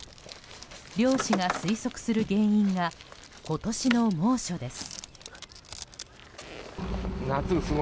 漁師が推測する原因が今年の猛暑です。